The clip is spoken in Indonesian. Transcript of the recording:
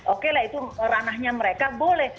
oke lah itu ranahnya mereka boleh